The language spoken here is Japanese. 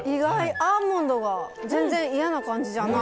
アーモンドが全然嫌な感じじゃない。